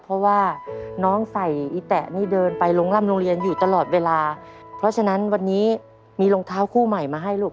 เพราะว่าน้องใส่อีแตะนี่เดินไปลงร่ำโรงเรียนอยู่ตลอดเวลาเพราะฉะนั้นวันนี้มีรองเท้าคู่ใหม่มาให้ลูก